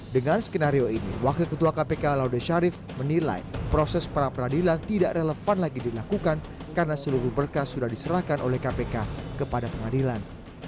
dengan skenario ini wakil ketua kpk laude sharif menilai proses peradilan tidak relevan lagi dilakukan karena seluruh berkas sudah diserahkan oleh kpk kepada pengadilan